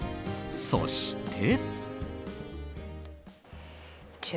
そして。